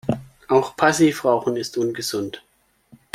Auch Passivrauchen ist ungesund.